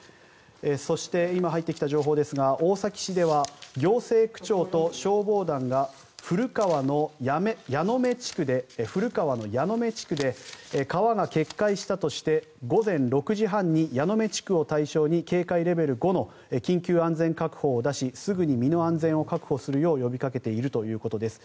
そして、今入ってきた情報ですが大崎市では行政区長と消防団が古川のヤノメ地区で川が決壊したとして午前６時半にヤノメ地区を対象に警戒レベル５の緊急安全確保を出しすぐに身の安全を確保するよう呼びかけているということです。